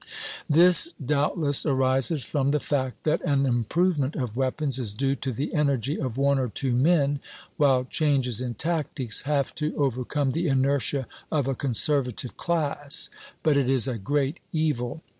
This doubtless arises from the fact that an improvement of weapons is due to the energy of one or two men, while changes in tactics have to overcome the inertia of a conservative class; but it is a great evil.